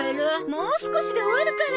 もう少しで終わるから。